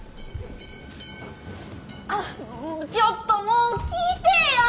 あっちょっともう聞いてえや！